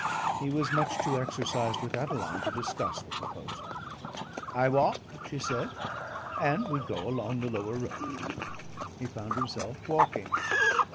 He was much too exercised with Adeline to discuss the proposal. "I walk," she said. "And we go along the lower road." He found himself walking.